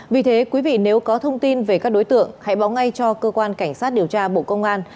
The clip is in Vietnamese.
vì thế quý vị nếu có thông tin về các đối tượng hãy báo ngay cho cơ quan cảnh sát điều tra bộ công an